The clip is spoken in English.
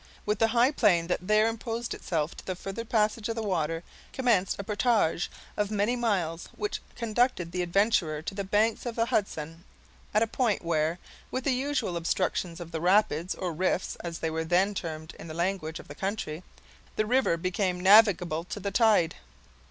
With the high plain that there interposed itself to the further passage of the water, commenced a portage of as many miles, which conducted the adventurer to the banks of the Hudson, at a point where, with the usual obstructions of the rapids, or rifts, as they were then termed in the language of the country, the river became navigable to the tide.